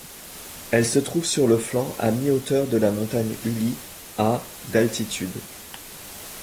Elle se trouve sur le flanc, à mi-hauteur, de la montagne Uli, à d'altitude.